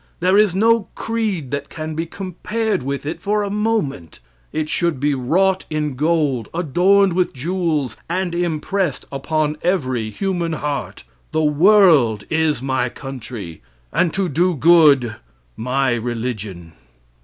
There is no creed that can be compared with it for a moment. It should be wrought in gold, adorned with jewels, and impressed upon every human heart: "The world is my country, and to do good my religion."